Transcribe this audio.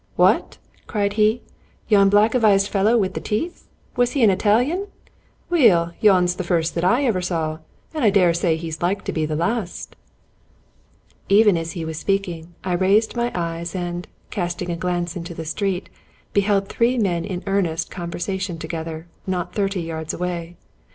" What? " cried he, " yon black avised fellow wi' the teeth? Was he an I talian? Weel, yon's the first that ever I saw, an' I dare say he's like to be the last." Even as he was speaking, I raised my eyes, and, casting a glance into the street, beheld three men in earnest con versation together, and not thirty yards away.